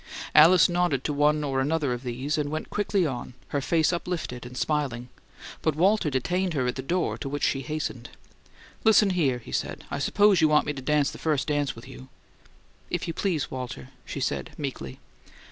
Alice nodded to one or another of these, and went quickly on, her face uplifted and smiling; but Walter detained her at the door to which she hastened. "Listen here," he said. "I suppose you want me to dance the first dance with you " "If you please, Walter," she said, meekly.